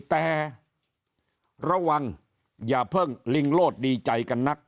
แต่ระวังอย่าเพิ่งลิงโลดดีใจกันนัก